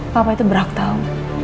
papa itu berhak tau